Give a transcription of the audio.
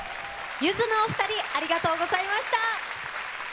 ゆずのお二人ありがとうございました。